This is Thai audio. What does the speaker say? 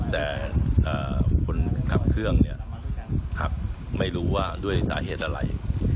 แต่คนขับเครื่องเนี่ยหักไม่รู้ว่าด้วยสาเหตุอะไร